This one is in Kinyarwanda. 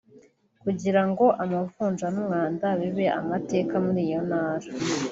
kugira ngo amavunja n’umwanda bibe amateka muri iyo Ntara